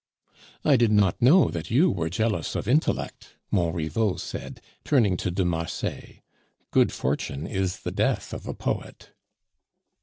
"I did not know that you were jealous of intellect," Montriveau said, turning to de Marsay; "good fortune is the death of a poet."